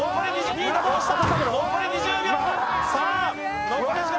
ギータどうした？